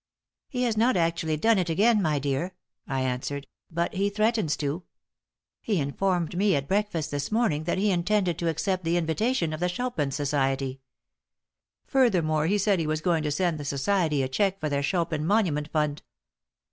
"He has not actually done it again, my dear," I answered; "but he threatens to. He informed me at breakfast this morning that he intended to accept the invitation of the Chopin Society. Furthermore, he said he was going to send the society a cheque for their Chopin Monument Fund."